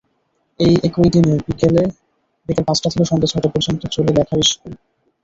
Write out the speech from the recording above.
একই দিন বিকেল পাঁচটা থেকে সন্ধ্যা ছয়টা পর্যন্ত চলে লেখার ইশকুল।